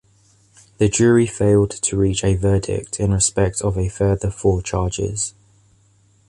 The jury failed to reach a verdict in respect of a further four charges.